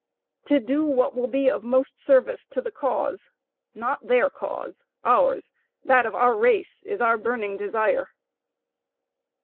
To do what will be of most service to the cause not their cause ours that of our race, is our burning desire."